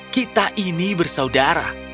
kita ini bersaudara